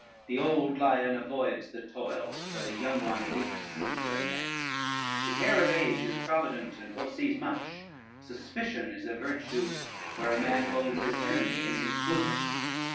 The old lion avoids the toils, where the young one leaps into the net: the care of age is provident and foresees much: suspicion is a virtue, where a man holds his enemy in his bosom.